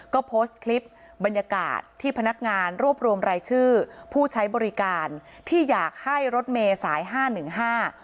ก็โพสต์คลิปบรรยากาศที่พนักงานรวบรวมรายชื่อผู้ใช้บริการที่อยากให้รถเมย์สายห้าหนึ่งห้า